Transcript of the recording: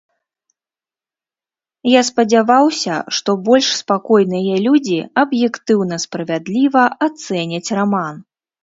Я спадзяваўся, што больш спакойныя людзі аб'ектыўна, справядліва ацэняць раман.